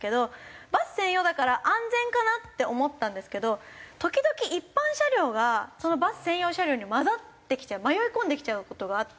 バス専用だから安全かなって思ったんですけど時々一般車両がそのバス専用に交ざってきちゃう迷い込んできちゃう事があって。